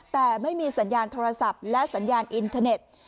แต่ไม่มีสัญญาณโทรศัพท์และสัญญาณอินเทอร์เน็ต